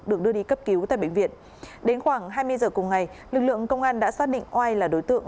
được đưa đi cấp cứu tại bệnh viện đến khoảng hai mươi giờ cùng ngày lực lượng công an đã xác định oai là đối tượng